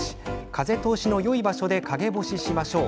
風通しのよい場所で陰干ししましょう。